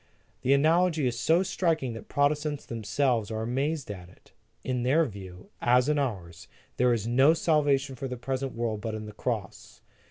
The analogy is so striking that Protestants themselves are amazed at it. In their view, as in ours, there is no salvation for the present world but in the Cross.